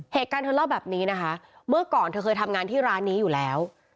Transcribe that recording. เหตุการณ์เธอเล่าแบบนี้นะคะเมื่อก่อนเธอเคยทำงานที่ร้านนี้อยู่แล้ว